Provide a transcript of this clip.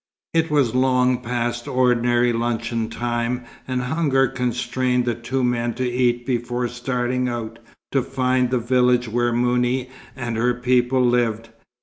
It was long past ordinary luncheon time, and hunger constrained the two men to eat before starting out to find the village where Mouni and her people lived.